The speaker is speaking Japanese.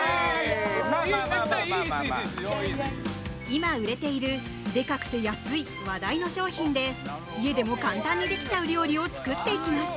今売れているでかくて安い話題の商品で家でも簡単にできちゃう料理を作っていきます。